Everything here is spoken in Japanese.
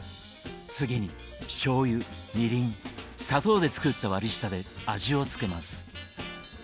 次にしょうゆみりん砂糖で作った割り下で味を付けます。